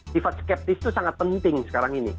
sifat skeptis itu sangat penting sekarang ini